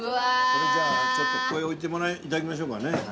これじゃあちょっとここへ置いて頂きましょうかね。